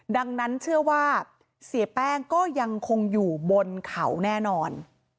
ดังนั้นเชื่อว่าเสียแป้งก็ยังคงอยู่บนเขาแน่นอน